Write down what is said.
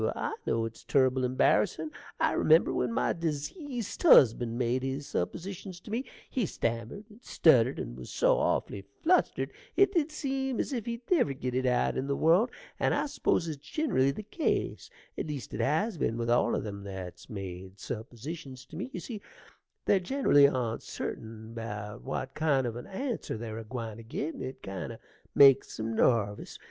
I know it's turrible embarrassin'. I remember when my dezeased husband made his suppositions to me he stammered and stuttered, and was so awfully flustered it did seem as if he'd never git it out in the world; and I suppose it's ginerally the case, at least it has been with all them that's made suppositions to me: you see they're generally oncerting about what kind of an answer they're a gwine to git, and it kind o' makes 'em narvous.